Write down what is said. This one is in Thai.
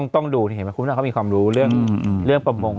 ต้องดูเห็นไหมคุณแม่เขามีความรู้เรื่องประมง